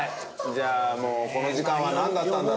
じゃあもうこの時間はなんだったんだろう？